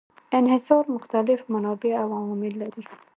انحصار مختلف منابع او عوامل لري.